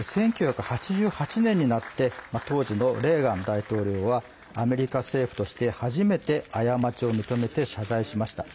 １９８８年になって当時のレーガン大統領はアメリカ政府として初めて過ちを認めて謝罪しました。